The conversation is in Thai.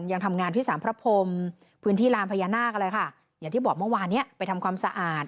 ยังทำงานที่สารพระพรมพื้นที่ลานพญานาคอะไรค่ะอย่างที่บอกเมื่อวานเนี้ยไปทำความสะอาด